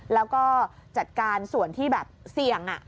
แล้วก็จัดการส่วนที่แบบเสี่ยง